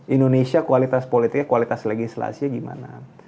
indonesia kualitas politiknya kualitas legislasinya gimana